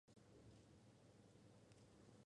La base triangular, representa a la santísima trinidad.